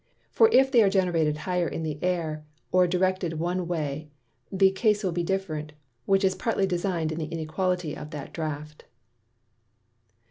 For if they are generated high in the Air, or directed one way, the case will be different; which is partly design'd in the inequality of that Draught.